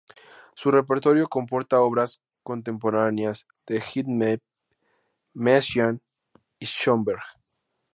Su repertorio comporta obras contemporáneas de Hindemith, Messiaen, Schönberg.